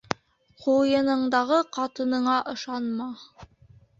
Ҡуйыныңдағы ҡатыныңа ышанма.